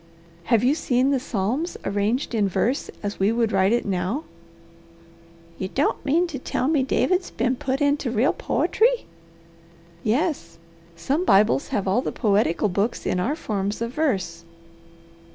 "Have you seen the Psalms arranged in verse as we would write it now?" "You don't mean to tell me David's been put into real poetry?" "Yes. Some Bibles have all the poetical books in our forms of verse."